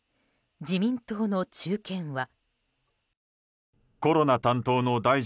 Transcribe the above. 自民党の中堅は。